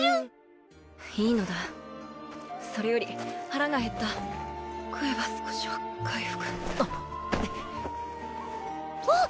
いいのだそれより腹が減った食えば少しは回復あっわっ